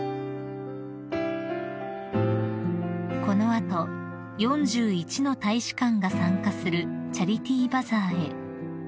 ［この後４１の大使館が参加するチャリティーバザーへ］